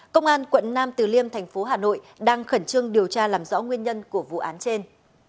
công an quận nam từ liêm thành phố hà nội đang khẩn trương điều tra làm rõ nguyên nhân của vụ án trên